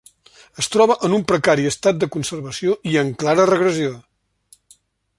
Es troba en un precari estat de conservació i en clara regressió.